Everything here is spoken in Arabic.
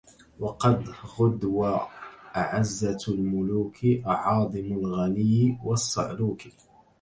وقد غدو أعزة الملوكِ أعاظمَ الغني والصعلوكِ